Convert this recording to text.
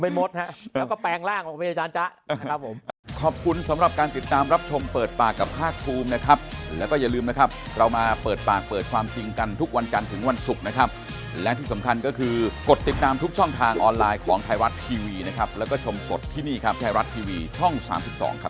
ผมเป็นมดนะแล้วก็แปลงร่างออกไปอาจารย์จ๊ะนะครับผม